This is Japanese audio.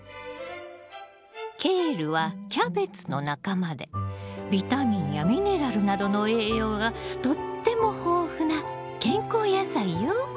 ケールはキャベツの仲間でビタミンやミネラルなどの栄養がとっても豊富な健康野菜よ。